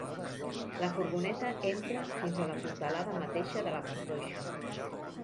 La furgoneta entra fins a la portalada mateixa de la cartoixa.